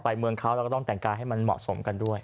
เมืองเขาเราก็ต้องแต่งกายให้มันเหมาะสมกันด้วย